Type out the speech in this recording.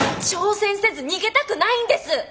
挑戦せず逃げたくないんです！